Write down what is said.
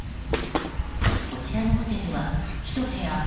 こちらのホテルは１部屋